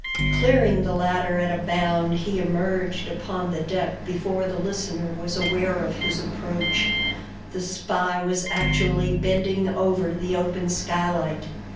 Clearing the ladder at a bound, he emerged upon the deck before the listener was aware of his approach. The spy was actually bending over the open skylight.